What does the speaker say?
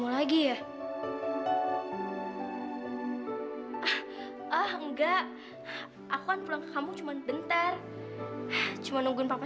lah bapak masih keliru pak